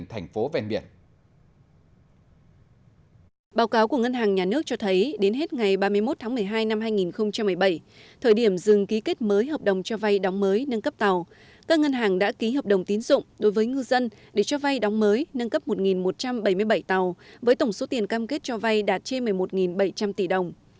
thủ cáo của ngân hàng nhà nước cho thấy đến hết ngày ba mươi một tháng một mươi hai năm hai nghìn một mươi bảy thời điểm dừng ký kết mới hợp đồng cho vay đóng mới nâng cấp tàu các ngân hàng đã ký hợp đồng tín dụng đối với ngư dân để cho vay đóng mới nâng cấp một một trăm bảy mươi bảy tàu với tổng số tiền cam kết cho vay đạt trên một mươi một bảy trăm linh tỷ đồng